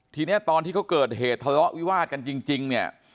ทีนี้ตอนที่เขาเกิดเหตุทะเลาะวิวาดกันจริงเนี่ย